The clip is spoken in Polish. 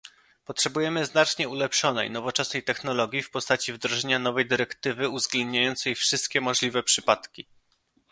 Potrzebujemy znacznie ulepszonej, nowoczesnej technologii w postaci wdrożenia nowej dyrektywy uwzględniającej wszystkie możliwe przypadki